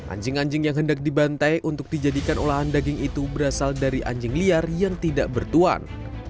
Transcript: anjing anjing yang hendak dibantai untuk dijadikan olahan daging itu berasal dari anjing liar yang tidak bertuan